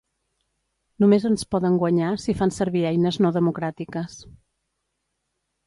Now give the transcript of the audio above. Només ens poden guanyar si fan servir eines no democràtiques.